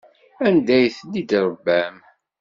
Anda ay ten-id-tṛebbam?